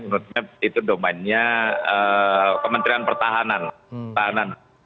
menurutnya itu domainnya kementerian pertahanan